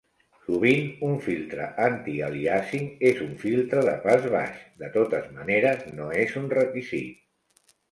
Sovint, un filtre antialiàsing és un filtre de pas baix. De totes maneres, no és un requisit.